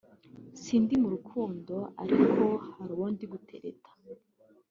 ” Sindi mu rukundo ariko hari uwo ndi gutereta